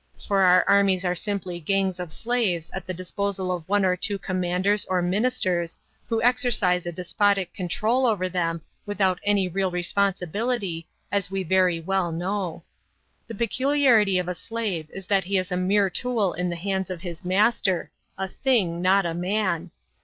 For our armies are simply gangs of slaves at the disposal of one or two commanders or ministers, who exercise a despotic control over them without any real responsibility, as we very well know. "The peculiarity of a slave is that he is a mere tool in the hands of his master, a thing, not a man.